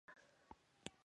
غوښتنه وکړه.